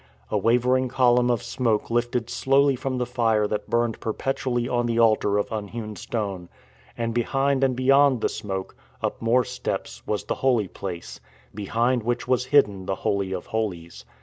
A wavering column of smoke lifted slowly from the fire that burned perpetu ally on the altar of unhewn stone; and behind and beyond the smoke, up more steps, was the Holy Place, behind which was hidden the Holy of Holies.